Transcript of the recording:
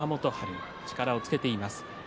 若元春、力をつけています。